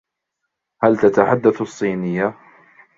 هل تتحدث الصينية ؟